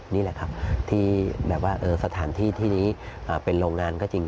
นี่แหละครับที่แบบว่าสถานที่ที่นี้เป็นโรงงานก็จริง